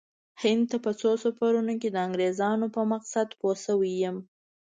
هند ته په څو سفرونو کې د انګریزانو په مقصد پوه شوی یم.